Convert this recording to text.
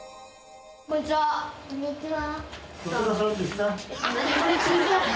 こんにちは。